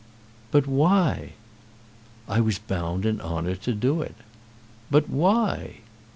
"But why?" "I was bound in honour to do it." "But why?"